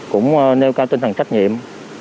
cũng nêu cao tinh thần trách nhiệm